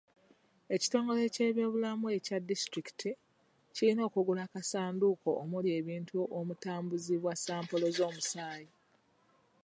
Ekitongole ky'ebyobulamu ekya disitulikiti kiyina okugula akasanduuko omuli ebintu omutambuzibwa sampolo z'omusaayi.